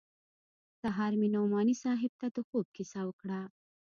سهار مې نعماني صاحب ته د خوب کيسه وکړه.